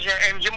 dạ cái đắp chuông